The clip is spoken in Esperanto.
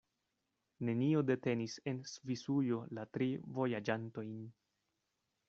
Nenio detenis en Svisujo la tri vojaĝantojn.